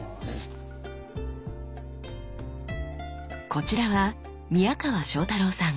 こちらは宮川正太郎さん。